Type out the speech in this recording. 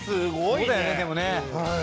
そうだよねでもね。